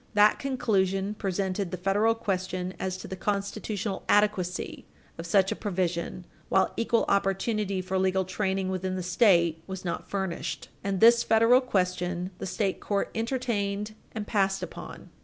That conclusion presented the federal question as to the constitutional adequacy of such a provision while equal opportunity for legal training within the State was not furnished, and this federal question the state court entertained and passed upon.